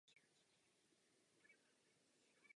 Ty určují polohu objektu na nebeské sféře v daném okamžiku.